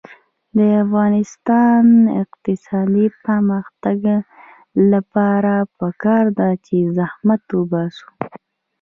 د افغانستان د اقتصادي پرمختګ لپاره پکار ده چې زحمت وباسو.